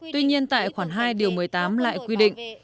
tuy nhiên tại khoản hai điều một mươi tám lại quy định